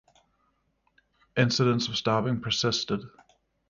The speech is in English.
Incidents of stabbing persisted.